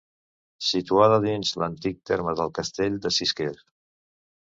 Situada dins l'antic terme del Castell de Sisquer.